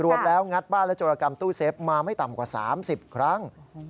รวมแล้วงัดบ้านและโจรกรรมตู้เซฟมาไม่ต่ำกว่า๓๐ครั้ง